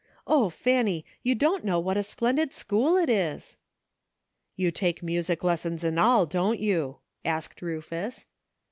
O, Fanny ! you don't know what a splendid school it is." " You take music lessons and all, don't you?" asked Ruf us.